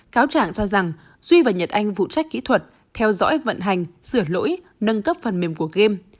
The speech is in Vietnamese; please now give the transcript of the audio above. cáo trạng cho rằng duy và nhật anh vụ trách kỹ thuật theo dõi vận hành sửa lỗi nâng cấp phần mềm của game